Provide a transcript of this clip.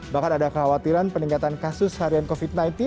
bahkan ada kekhawatiran peningkatan kasus harian covid sembilan belas